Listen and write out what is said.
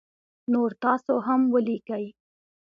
نور تاسو هم ولیکی